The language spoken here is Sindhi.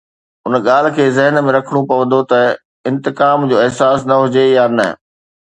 ان ڳالهه کي ذهن ۾ رکڻو پوندو ته انتقام جو احساس نه هجي يا نه